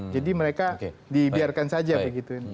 jadi mereka dibiarkan saja begitu